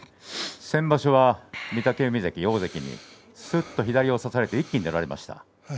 先場所は御嶽海関大関にすっと左を差されて一気に出られました。